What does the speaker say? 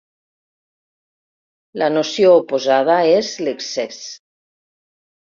La noció oposada és l'excés.